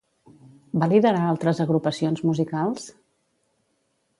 Va liderar altres agrupacions musicals?